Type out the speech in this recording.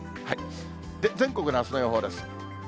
全国のあすの予報です。